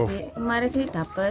tadi kemarin sih dapat